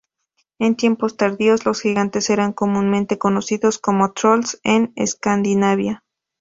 En tiempos tardíos, los gigantes era comúnmente conocidos como trolls en Escandinavia.